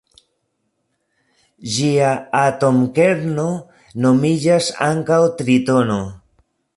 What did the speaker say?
Ĝia atomkerno nomiĝas ankaŭ tritono.